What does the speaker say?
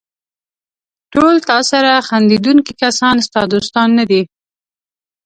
ټول تاسره خندېدونکي کسان ستا دوستان نه دي.